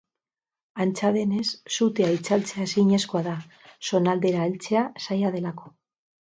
Antza denez, sutea itzaltzea ezinezkoa da, zonaldera heltzea zaila delako.